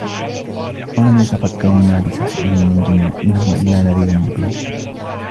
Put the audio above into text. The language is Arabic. أولم يتفكروا ما بصاحبهم من جنة إن هو إلا نذير مبين